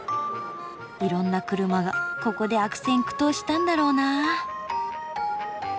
いろんな車がここで悪戦苦闘したんだろうなあ。